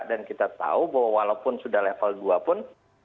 dan kita tahu bahwa walaupun sudah level dua pun